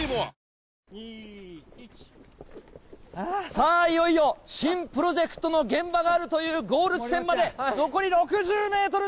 さあ、いよいよ、新プロジェクトの現場があるというゴール地点まで残り６０メート